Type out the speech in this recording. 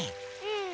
うん。